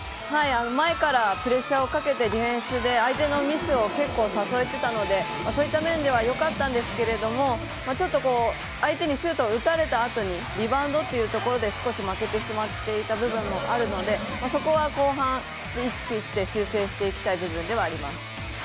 前からプレッシャーをかけてディフェンスで相手のミスを結構誘えていたのでそういった面ではよかったんですけれどもちょっと相手にシュートを打たれたあとにリバウンドというところで少し負けてしまっていた部分もあるのでそこは後半、意識して修正していきたい部分ではあります。